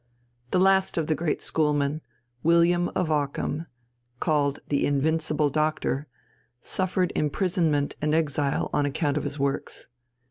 The last of the great schoolmen, William of Ockham, called the "Invincible Doctor," suffered imprisonment and exile on account of his works.